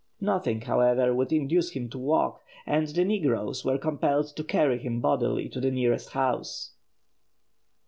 Nothing, however, would induce him to walk, and the negroes were compelled to carry him bodily to the nearest house.